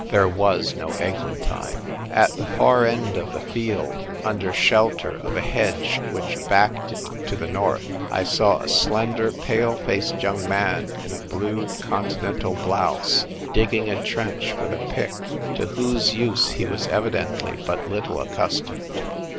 There was no eglantine. At the far end of the field, under shelter of a hedge which backed it to the north, I saw a slender, pale faced young man in a blue Conti nental blouse, digging a trench with a pick, to whose use he was evidently but little accustomed.